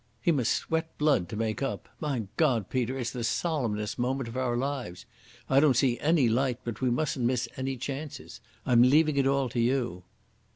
He must sweat blood to make up. My God, Peter, it's the solemnest moment of our lives. I don't see any light, but we mustn't miss any chances. I'm leaving it all to you."